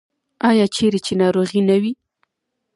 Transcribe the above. آیا چیرې چې ناروغي نه وي؟